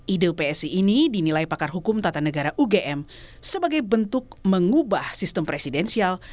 ide psi ini dinilai pakar hukum tata negara ugm sebagai bentuk mengubah sistem presidensial